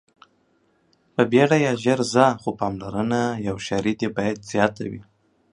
په بيړه ځه خو پاملرنه دې باید زياته وي.